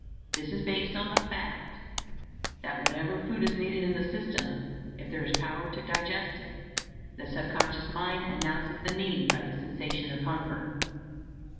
This is based on the fact that whenever food is needed in the system, if there is power to digest it, the sub conscious mind announces the need by the sensation of hunger.